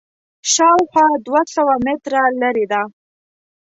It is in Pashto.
شاوخوا دوه سوه متره لرې ده.